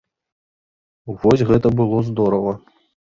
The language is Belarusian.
Вось гэта было здорава!